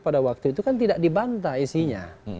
karena waktu itu kan tidak dibanta isinya